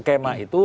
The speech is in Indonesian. yang pertama itu